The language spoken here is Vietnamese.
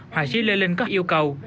họa sĩ lê linh có yêu cầu